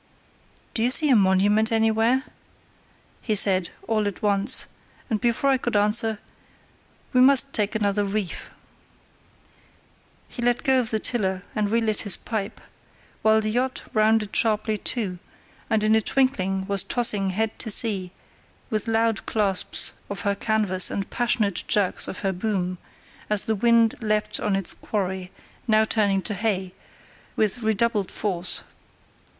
"Do you see a monument anywhere?" he said, all at once; and, before I could answer; "We must take another reef." He let go of the tiller and relit his pipe, while the yacht rounded sharply to, and in a twinkling was tossing head to sea with loud claps of her canvas and passionate jerks of her boom, as the wind leapt on its quarry, now turning to bay, with redoubled force.